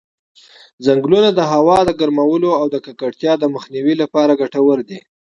ځنګلونه د هوا د ګرمولو او د ککړتیا د مخنیوي لپاره ګټور دي.